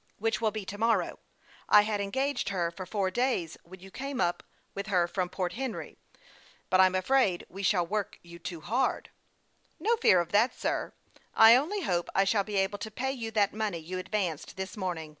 " Which will be to morrow. I had engaged her for four days when you came up with her from Port Henry ; but I'm afraid we shall work you too hard." " No fear of that, sir. I only hope I shall be able to pay you that money you advanced this morning."